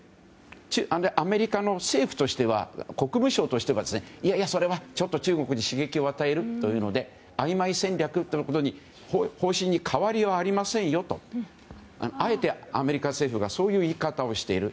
アメリカの政府としては国務省としてはそれは中国に刺激を与えるというのであいまい戦略という方針に変わりはありませんよとあえてアメリカ政府がそういう言い方をしている。